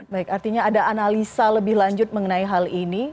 baik artinya ada analisa lebih lanjut mengenai hal ini